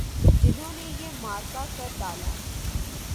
جنہوں نے یہ معرکہ کر ڈالا۔